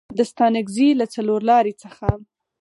د ستانکزي له څلورلارې څخه